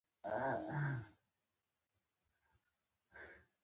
باید د شرابو تولید یې ډېر عالي وي.